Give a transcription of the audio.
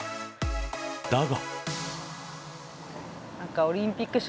だが。